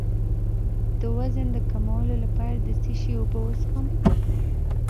د وزن د کمولو لپاره د څه شي اوبه وڅښم؟